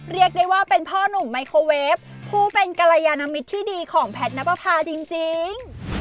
เรียกได้ว่าเป็นพ่อหนุ่มไมโครเวฟผู้เป็นกรยานมิตรที่ดีของแพทย์นับประพาจริง